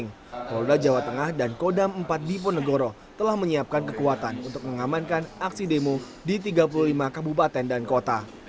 polda jawa tengah dan kodam empat di ponegoro telah menyiapkan kekuatan untuk mengamankan aksi demo di tiga puluh lima kabupaten dan kota